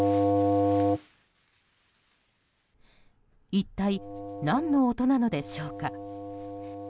一体、何の音なのでしょうか。